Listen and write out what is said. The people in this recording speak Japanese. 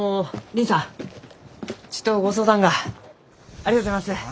ありがとうございます。